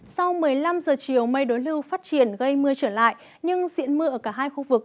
sau một mươi năm giờ chiều mây đối lưu phát triển gây mưa trở lại nhưng diện mưa ở cả hai khu vực